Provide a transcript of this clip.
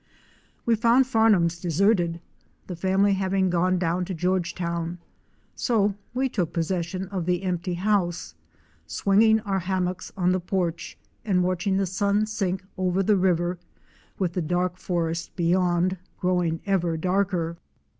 We found Farnum's deserted, the family having gone down to Georgetown, so we took possession of the empty house; swinging our hammocks on the porch and watching the sun sink over the river, with the dark forest beyond, growing ever darker.